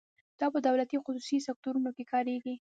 دا په دولتي او خصوصي سکتورونو کې کاریږي.